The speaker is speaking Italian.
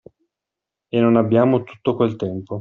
E non abbiamo tutto quel tempo.